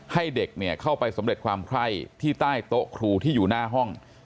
ให้เด็กเข้าไปสำเร็จความไคร้ที่ใต้โต๊ะครูที่อยู่หน้าห้อง